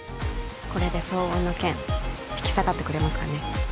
これで騒音の件引き下がってくれますかね